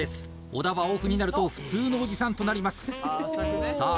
小田はオフになると普通のおじさんとなりますさあ